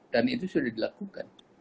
dan itu sudah dilakukan